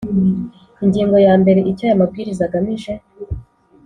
Ingingo ya mbere Icyo aya mabwiriza agamije